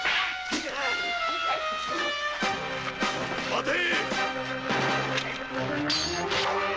待て！